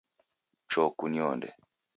Choo kunionde